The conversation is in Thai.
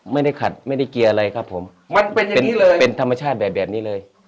ไม่ได้ขัดไม่ได้เกียร์อะไรครับผมมันเป็นอย่างงี้เลยเป็นธรรมชาติแบบแบบนี้เลย